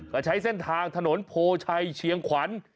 ก็ใช้เส้นทางถนนโพชัยเชียงขวัญ